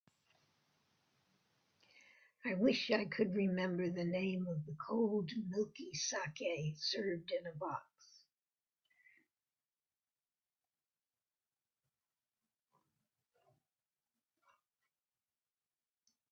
I wish I could remember the name of the cold milky saké served in a box.